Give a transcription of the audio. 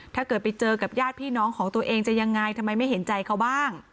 ถ้าเกิดไปเจอกับญาติพี่น้องของตัวเองจะยังไงทำไมไม่เห็นใจเขาบ้าง